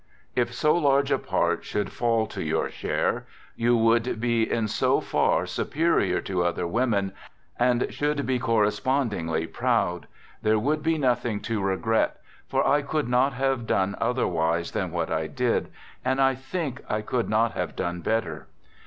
If so large a \ part should fall to your share, you would be in so j far superior to other women and should be corre i spondingly proud. There would be nothing to re Digitized by " THE GOOD SOLDIER » 69 grrt, for I could not have done otherwise than what I did and I think I could not have done better.